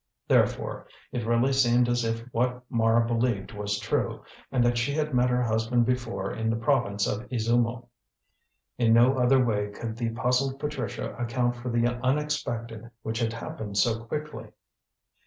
Therefore, it really seemed as if what Mara believed was true, and that she had met her husband before in the Province of Izumo. In no other way could the puzzled Patricia account for the unexpected which had happened so quickly.